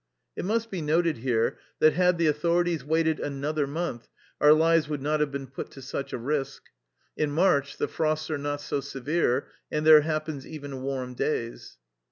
It must be noted here that had the authorities waited another month our lives would not have been put to such a risk: in March the frosts are not so severe, and there happens even warm days.